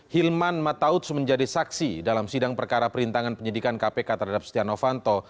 hilman matauts menjadi saksi dalam sidang perkara perintangan penyidikan kpk terhadap setia novanto